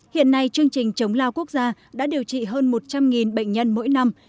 hiện nay chương trình chống lao quốc gia đã điều trị hơn một trăm linh bệnh nhân mỗi năm